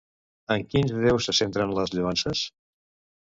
En quins déus se centren les lloances?